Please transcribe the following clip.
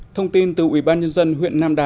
thông tin từ ubnd huyện nam định